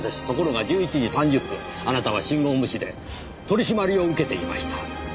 ところが１１時３０分あなたは信号無視で取り締まりを受けていました。